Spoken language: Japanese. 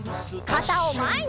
かたをまえに！